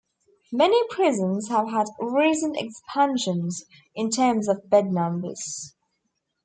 Many prisons have had recent expansions in terms of bed numbers.